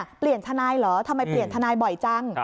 เปลี่ยนทนายเหรอทำไมเปลี่ยนทนายบ่อยจัง